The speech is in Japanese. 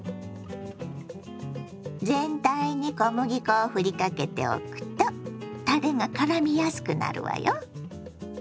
全体に小麦粉をふりかけておくとたれがからみやすくなるわよ。